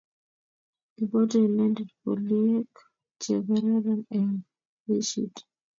kiboto inendet poliek che kororon eng' jeshit.